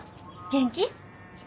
元気？